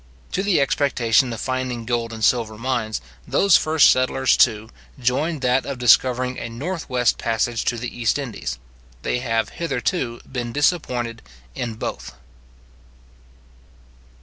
To the expectation of finding gold and silver mines, those first settlers, too, joined that of discovering a north west passage to the East Indies. They have hitherto been disappointed in both.